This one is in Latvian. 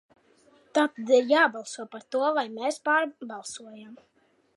Tātad ir jābalso par to, vai mēs pārbalsojam.